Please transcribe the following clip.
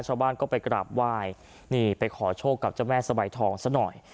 ชาวบ้านก็ไปกราบไหว้นี่ไปขอโชคกับเจ้าแม่สบายทองซะหน่อย